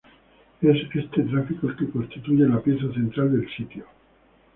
Es este gráfico el que constituye la pieza central del sitio.